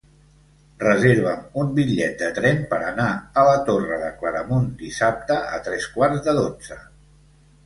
Reserva'm un bitllet de tren per anar a la Torre de Claramunt dissabte a tres quarts de dotze.